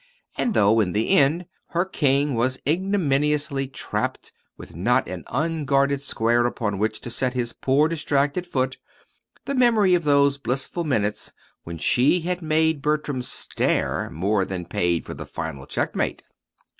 And though, in the end, her king was ignominiously trapped with not an unguarded square upon which to set his poor distracted foot, the memory of those blissful minutes when she had made Bertram "stare" more than paid for the final checkmate.